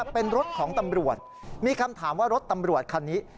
เป็นรถของตำรวจมีคำถามว่ารถตำรวจคันนี้